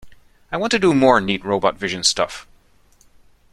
I want to do more neat robot vision stuff.